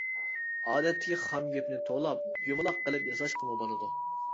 ئادەتتىكى خام يىپنى تولاپ، يۇمىلاق قىلىپ ياساشقىمۇ بولىدۇ.